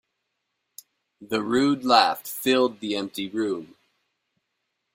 The rude laugh filled the empty room.